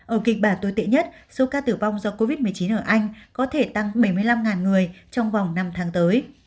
ở kịch bản tồi tệ nhất số ca tử vong do covid một mươi chín ở anh có thể tăng bảy mươi năm người trong vòng năm tháng tới